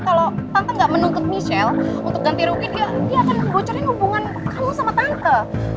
kalau tante gak menuntut michelle untuk ganti rugi dia akan bocorin hubungan kamu sama tante